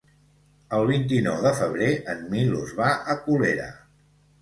El vint-i-nou de febrer en Milos va a Colera.